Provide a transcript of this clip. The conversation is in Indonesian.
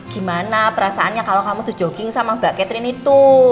gimana perasaannya kalau kamu tuh jogging sama mbak catherine itu